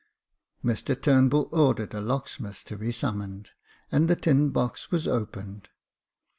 Mr TurnbuU ordered a locksmith to be summoned, and the tin box was opened.